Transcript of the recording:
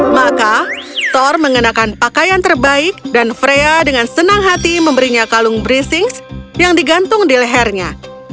maka thor mengenakan pakaian terbaik dan frea dengan senang hati memberinya kalung briefings yang digantung di lehernya